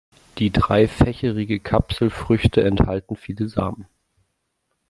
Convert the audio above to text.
Die dreifächerige Kapselfrüchte enthalten viele Samen.